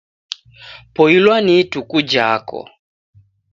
Poilwa ni ituku jako!